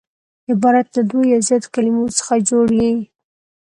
عبارت له دوو یا زیاتو کليمو څخه جوړ يي.